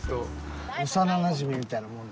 幼なじみみたいなもんだ。